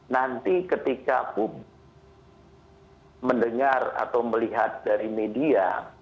nanti ketika publik mendengar atau melihat dari media